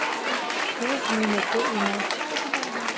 Туз минеке ине.